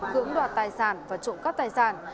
cưỡng đoạt tài sản và trộm cắp tài sản